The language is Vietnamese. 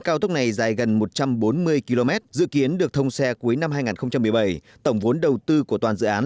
cao tốc này dài gần một trăm bốn mươi km dự kiến được thông xe cuối năm hai nghìn một mươi bảy tổng vốn đầu tư của toàn dự án